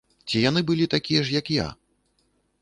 Ці яны былі такія ж, як я?